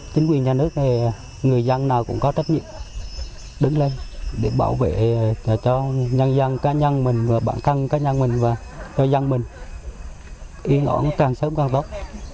chính quyền nhà nước người dân nào cũng có trách nhiệm đứng lên để bảo vệ cho nhân dân cá nhân mình và bản thân cá nhân mình và cho dân mình yên ổn càng sớm càng tốt